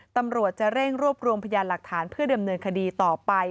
ตำรวจจะเร่งรวบรวมพยานหลักฐานเพื่อดำเนินคดีต่อไป